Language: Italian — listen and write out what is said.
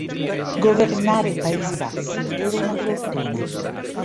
Governare i Paesi Bassi era una fortuna.